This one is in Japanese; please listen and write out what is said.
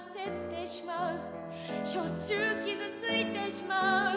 「しょっちゅう傷付いてしまう」